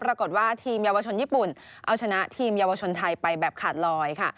ปรากฏว่าทีมเยาวชนญี่ปุ่นเอาชนะทีมเยาวชนไทยไปแบบขาดลอยค่ะ